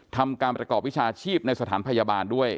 ทำการประกอบวิชาชีพในสถานพยาบาลด้วย